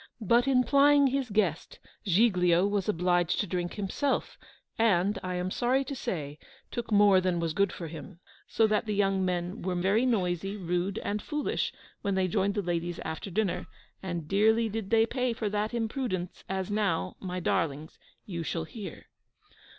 But in plying his guest, Giglio was obliged to drink himself, and I am sorry to say, took more than was good for him, so that the young men were very noisy, rude, and foolish when they joined the ladies after dinner: and dearly did they pay for that imprudence, as now, my darlings, you shall hear!